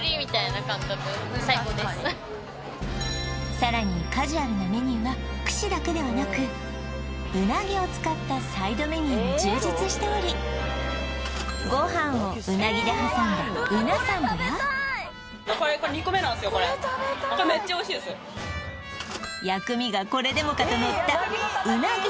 さらにカジュアルなメニューは串だけではなく鰻を使ったサイドメニューも充実しておりご飯を鰻で挟んだうなサンドや薬味がこれでもかとのった